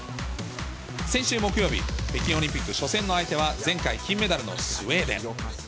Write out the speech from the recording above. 先週木曜日、北京オリンピック初戦の相手は、前回金メダルのスウェーデン。